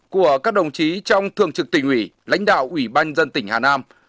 của các đồng chí trong thường trực tỉnh ủy lãnh đạo ủy ban dân tỉnh hà nam